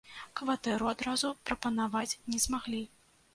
Кватэру адразу прапанаваць не змаглі.